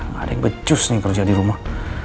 nggak ada yang becus nih kerja di rumah